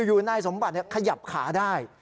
อยู่ในสมบัตินี่ขยับขาได้